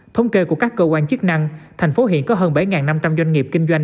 thống kê của các cơ quan chức năng thành phố hiện có hơn bảy năm trăm linh doanh nghiệp kinh doanh